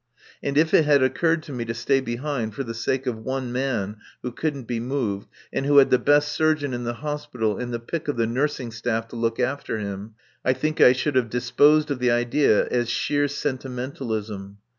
And if it had occurred to me to stay behind for the sake of one man who couldn't be moved and who had the best surgeon in the Hospital and the pick of the nursing staff to look after him, I think I should have disposed of the idea as sheer sentimentalism.